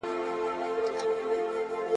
• دښمن که دي د لوخو پړی هم وي، مار ئې بوله.